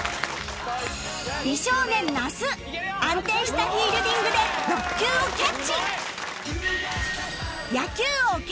美少年那須安定したフィールディングで６球をキャッチ